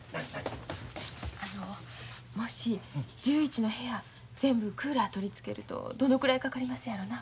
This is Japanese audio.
あのもし１１の部屋全部クーラー取り付けるとどのくらいかかりますやろな？